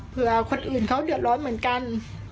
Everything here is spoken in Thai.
เผื่อคนอื่นเขาเดือดร้อนเหมือนกัน